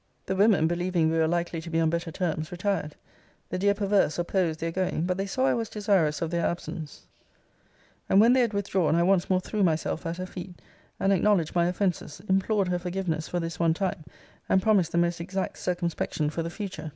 The women believing we were likely to be on better terms, retired. The dear perverse opposed their going; but they saw I was desirous of their absence; and when they had withdrawn, I once more threw myself at her feet, and acknowledged my offences; implored her forgiveness for this one time, and promised the most exact circumspection for the future.